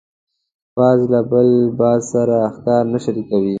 باز له بل باز سره ښکار نه شریکوي